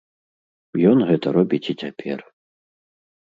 Ён гэта робіць і цяпер.